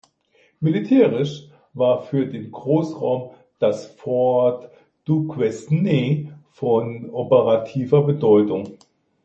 Militärisch war für den Großraum das Fort Duquesne von operativer Bedeutung.